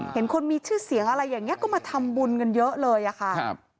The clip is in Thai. เห็นคนมีชื่อเสียงอะไรอย่างนี้ก็มาทำบุญกันเยอะเลยอะค่ะ